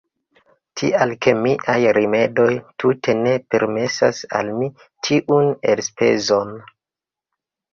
Tial ke miaj rimedoj tute ne permesas al mi tiun elspezon.